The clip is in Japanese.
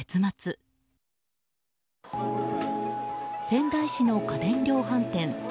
仙台市の家電量販店。